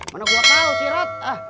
mana gue tau sih rot